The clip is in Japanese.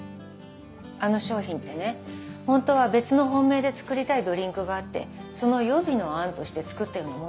あの商品ってねホントは別の本命で作りたいドリンクがあってその予備の案として作ったようなものなの。